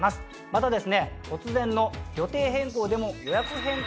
また突然の予定変更でも。